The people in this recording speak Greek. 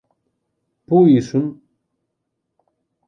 Πού ήσουν;